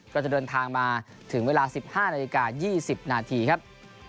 ก็จะเดินทางมาถึงเวลา๑๕นาฬิกา๒๐นาทีครับ